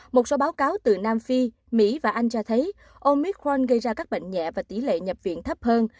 một số báo cáo từ nam phi mỹ và anh cho thấy omic khoan gây ra các bệnh nhẹ và tỷ lệ nhập viện thấp hơn